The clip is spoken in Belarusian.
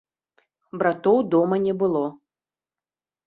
Братоў дома не было.